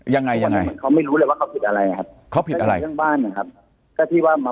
ยังไงเขาไม่รู้เลยว่าเขาผิดอะไรครับ